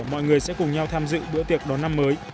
mọi người sẽ cùng nhau tham dự bữa tiệc đón năm mới